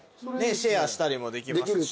シェアしたりもできますしね。